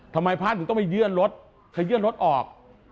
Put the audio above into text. ทำไมพระถึงต้องไปยื่นรถเขยื่นรถออก